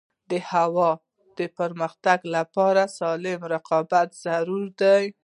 د هیواد د پرمختګ لپاره سالم رقابت ضروري دی.